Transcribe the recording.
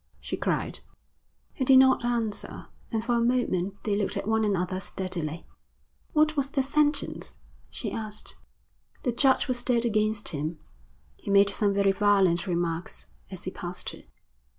she cried. He did not answer, and for a moment they looked at one another steadily. 'What was the sentence?' she asked. 'The judge was dead against him. He made some very violent remarks as he passed it.'